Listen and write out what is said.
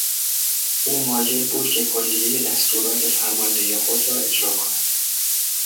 او مایل بود که کلیهی دستورات فرماندهی خود را اجرا کند.